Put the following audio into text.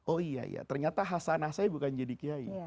oh iya ya ternyata hasanah saya bukan jadi kiai